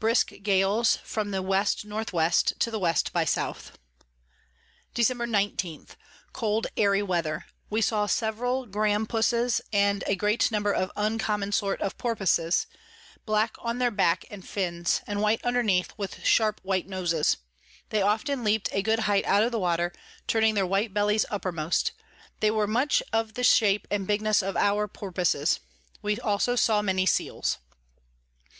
Brisk Gales from the W N W. to the W by S. Dec. 19. Cold airy Weather: We saw several Grampusses, and a great number of uncommon sort of Porpusses, black on their Back and Fins, and white underneath, with sharp white Noses; they often leap'd a good height out of the Water, turning their white Bellies uppermost: they were much of the shape and bigness of our Porpusses. We also saw many Seals.